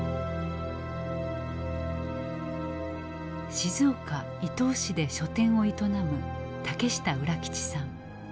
静岡・伊東市で書店を営む竹下浦吉さん。